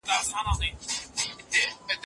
بیا به راسي په سېلونو بلبلکي